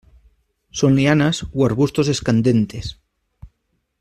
Son lianas o arbustos escandentes.